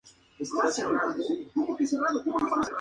El papamoscas tarabilla nidifica durante todo el año.